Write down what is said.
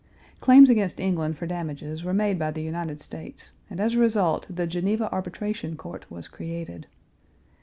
Claims against England for damages were made by the United States, and as a result the Geneva Arbitration Court was created.